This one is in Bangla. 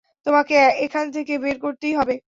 তোমাকে এখান থেকে বের করতেই হবে।